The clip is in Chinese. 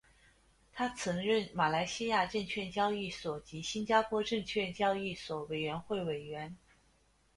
他曾任马来西亚证券交易所及新加坡证券交易所委员会会员。